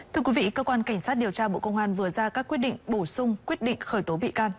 thưa quý vị cơ quan cảnh sát điều tra bộ công an vừa ra các quyết định bổ sung quyết định khởi tố bị can